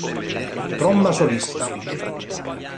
Tromba solista.